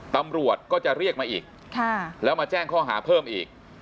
ตำรวจก็จะเรียกมาอีกแล้วมาแจ้งข้อหาเพิ่มอีก